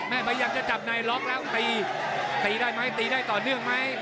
พยายามจะจับในล็อกแล้วตีตีได้ไหมตีได้ต่อเนื่องไหม